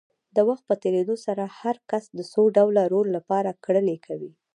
د وخت په تېرېدو سره هر کس د څو ډوله رول لپاره کړنې کوي.